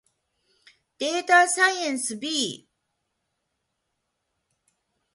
データサイエンス B